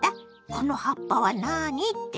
「この葉っぱは何」って？